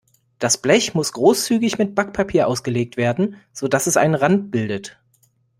Das Blech muss großzügig mit Backpapier ausgelegt werden, sodass es einen Rand bildet.